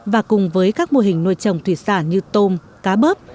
và cùng với các mô hình nuôi trồng thủy sản như tôm cá bớp